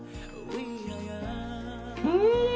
うん！